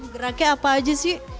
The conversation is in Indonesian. geraknya apa aja sih